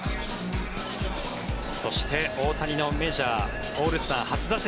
そして、大谷のオールスター初打席。